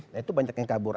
nah itu banyak yang kabur